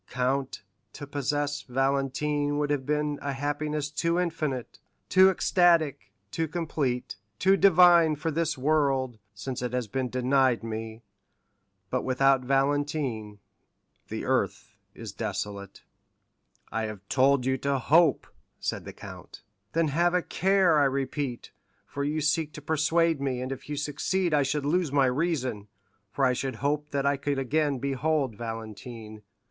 Count, to possess Valentine would have been a happiness too infinite, too ecstatic, too complete, too divine for this world, since it has been denied me; but without Valentine the earth is desolate." "I have told you to hope," said the count. "Then have a care, I repeat, for you seek to persuade me, and if you succeed I should lose my reason, for I should hope that I could again behold Valentine."